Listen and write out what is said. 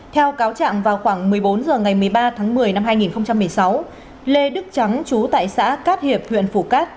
theo cáo trạng vào khoảng một mươi bốn h ngày một mươi ba tháng một mươi năm hai nghìn một mươi sáu lê đức trắng chú tại xã cát hiệp huyện phủ cát